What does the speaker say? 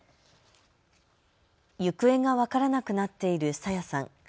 行方が分からなくなっている朝芽さん。